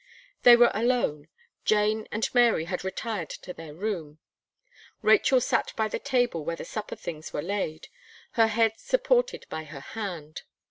They were alone; Jane and Mary had retired to their room. Rachel sat by the table where the supper things were laid, her head supported by her hand.